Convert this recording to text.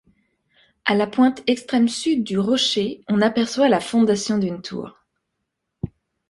À la pointe extrême sud du rocher, on aperçoit la fondation d'une tour.